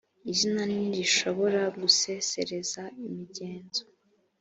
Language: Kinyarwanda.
izina ntirishobora gusesereza imigenzo